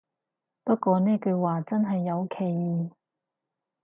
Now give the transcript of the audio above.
不過呢句話真係有歧義